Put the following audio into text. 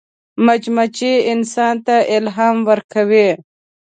مچمچۍ انسان ته الهام ورکوي